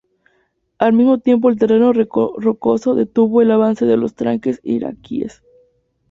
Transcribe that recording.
Al mismo tiempo el terreno rocoso detuvo el avance de los tanques iraquíes.